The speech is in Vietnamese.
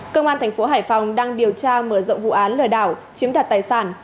cơ quan thành phố hải phòng đang điều tra mở rộng vụ án lừa đảo chiếm đạt tài sản